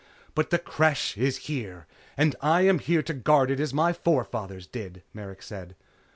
"But the Creche is here, and I am here to guard it as my forefathers did," Merrick said.